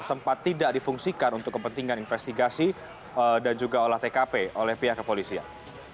sempat tidak difungsikan untuk kepentingan investigasi dan juga olah tkp oleh pihak kepolisian